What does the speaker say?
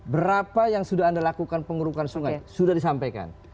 berapa yang sudah anda lakukan pengurukan sungai sudah disampaikan